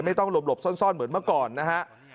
ไม่ต้องหลบซ่อนเหมือนเมื่อก่อนนะฮะ